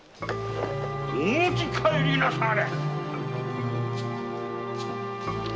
お持ち帰りなされ！